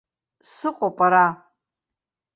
Сыҟоуп ара!